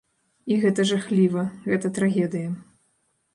І гэта жахліва, гэта трагедыя.